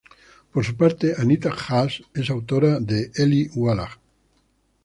Por su parte, Anita Haas es autora de "Eli Wallach.